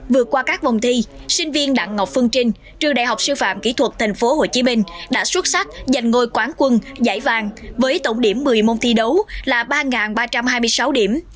vượt qua các vòng thi sinh viên đặng ngọc phương trinh trường đại học sư phạm kỹ thuật tp hcm đã xuất sắc giành ngôi quán quân giải vàng với tổng điểm một mươi môn thi đấu là ba ba trăm hai mươi sáu điểm